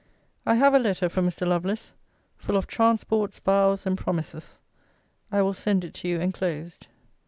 I have a letter from Mr. Lovelace, full of transports, vows, and promises. I will send it to you enclosed.